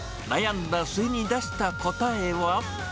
悩んだ末に出した答えは。